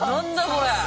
これ。